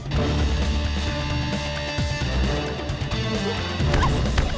dom jangan bantu